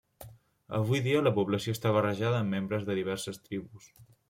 Avui dia la població està barrejada amb membres de diverses tribus.